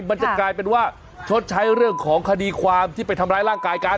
มันจะกลายเป็นว่าชดใช้เรื่องของคดีความที่ไปทำร้ายร่างกายกัน